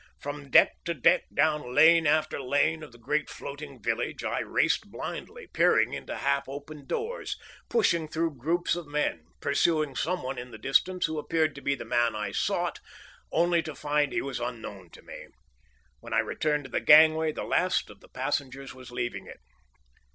From deck to deck, down lane after lane of the great floating village, I raced blindly, peering into half opened doors, pushing through groups of men, pursuing some one in the distance who appeared to be the man I sought, only to find he was unknown to me. When I returned to the gangway the last of the passengers was leaving it.